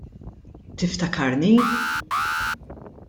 Tiftakarni?